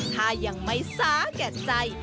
ถ้ายังไม่สาแก่ใจ